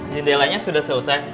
jendelanya sudah selesai